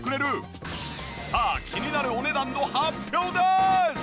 さあ気になるお値段の発表です！